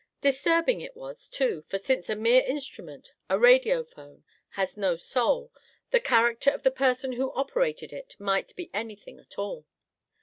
Disturbing it was, too, for since a mere instrument, a radio phone, has no soul, the character of the person who operated it might be anything at all.